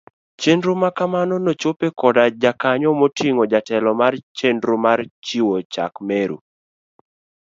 Chenro makamano nochope koda jokanyo moting'o jatelo mar chnero mar chiwo chak Meru.